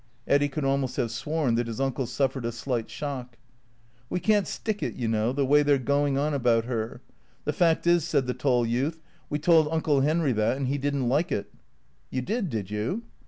(Eddy could almost have sworn that his uncle suffered a slight shock. )" We can't stick it, you know, the way they 're going on about her. The fact is," said the tall youth, " we told Uncle Henry that, and he did n't like it." "You did, did you?"